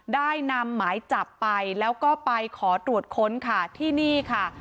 ได้นำหมายจับไปแล้วก็ไปขอตรวจค้นค่ะที่นี่ค่ะ